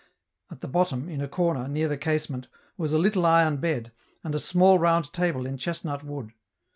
At the bottom, in a corner, near the casement, was a little iron bed, and a small round table in chestnut wood.